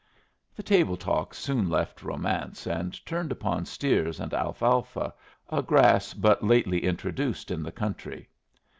The table talk soon left romance and turned upon steers and alfalfa, a grass but lately introduced in the country.